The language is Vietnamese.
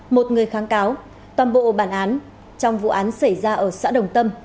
một người kháng cáo toàn bộ bản án trong vụ án xảy ra ở xã đồng tâm